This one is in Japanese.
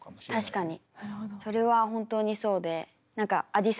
確かに。